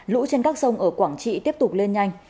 lũ trên các sông ở quảng trị tiếp tục lên nhanh